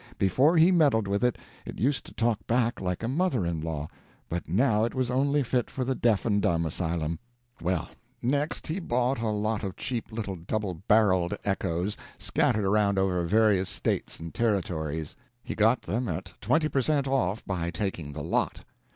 Before he meddled with it, it used to talk back like a mother in law, but now it was only fit for the deaf and dumb asylum. Well, next he bought a lot of cheap little double barreled echoes, scattered around over various states and territories; he got them at twenty per cent. off by taking the lot.